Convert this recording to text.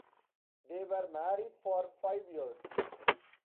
They were married for five years.